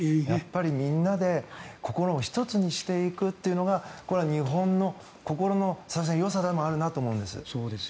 みんなで心を一つにしていくっていうのがこれは日本の心のよさでもあると思うんです。